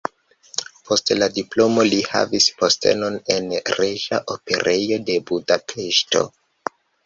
Post la diplomo li havis postenon en Reĝa Operejo de Budapeŝto.